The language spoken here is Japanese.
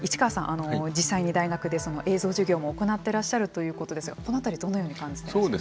あの実際に大学で映像授業も行ってらっしゃるということですがこの辺りどのように感じていますか？